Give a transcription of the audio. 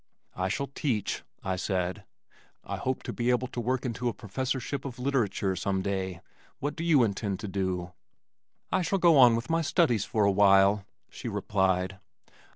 "I shall teach," I said. "I hope to be able to work into a professorship in literature some day. What do you intend to do?" "I shall go on with my studies for a while," she replied.